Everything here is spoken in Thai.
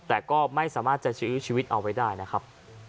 แต่ก็ไม่สามารถจะยื้อชีวิตเอาไว้ได้นะครับ